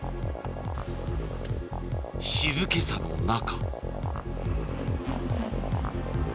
静けさの中。